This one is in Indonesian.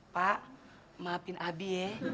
pak maafin abi ya